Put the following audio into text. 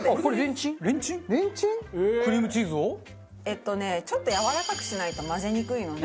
えっとねちょっとやわらかくしないと混ぜにくいので。